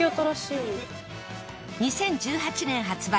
２０１８年発売